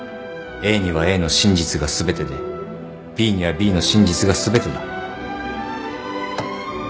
ＡにはＡの真実が全てでＢにはＢの真実が全てだ。